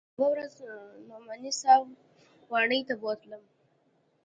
يوه ورځ نعماني صاحب واڼې ته بوتلم.